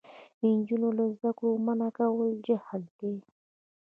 نجونې له زده کړې منع کول جهل دی.